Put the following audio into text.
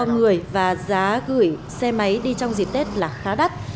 ba người và giá gửi xe máy đi trong dịp tết là khá đắt